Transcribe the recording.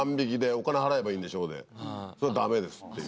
「お金払えばいいんでしょ？」で「それはダメです」っていう。